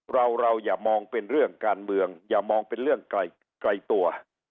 เราเราอย่ามองเป็นเรื่องการเมืองอย่ามองเป็นเรื่องไกลตัว